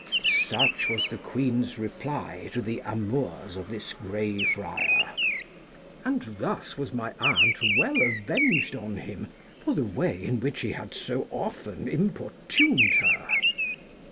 Such was the Queen's reply to the amours of this Grey Friar ; and thus was my aunt well avenged on him for the way in which he had so often importuned her.